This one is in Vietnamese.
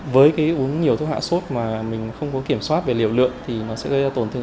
với cái uống nhiều thuốc hạ sốt mà mình không có kiểm soát về liều lượng thì nó sẽ gây ra tổn thương